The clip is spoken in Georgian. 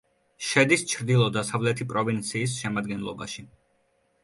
შედის ჩრდილო-დასავლეთი პროვინციის შემადგენლობაში.